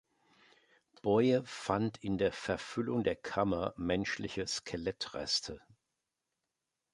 Boye fand in der Verfüllung der Kammer menschliche Skelettreste.